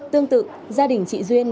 tương tự gia đình chị duyên